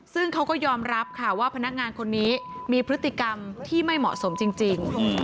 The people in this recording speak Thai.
ซึ่งเขาก็ยอมรับค่ะว่าพนักงานคนนี้มีพฤติกรรมที่ไม่เหมาะสมจริง